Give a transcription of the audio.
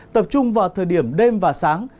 tập trung vào thời điểm đêm và sáng